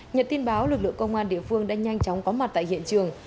nhật tin báo lực lượng công an địa phương đã nhanh chóng có mặt tại hiện trường